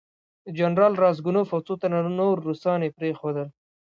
جنرال راسګونوف او څو تنه نور روسان یې پرېښودل.